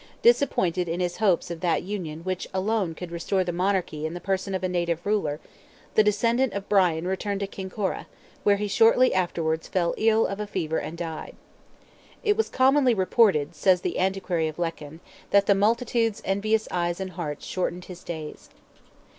Disappointed in his hopes of that union which could alone restore the monarchy in the person of a native ruler, the descendant of Brian returned to Kinkora, where he shortly afterwards fell ill of fever and died. "It was commonly reported," says the Antiquary of Lecan, "that the multitudes' envious eyes and hearts shortened his days."